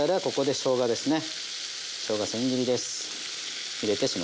しょうがせん切りです。